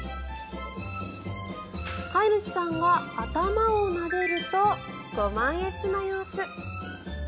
飼い主さんが頭をなでるとご満悦な様子。